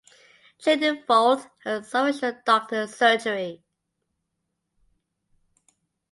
Chiddingfold has a substantial doctors' surgery.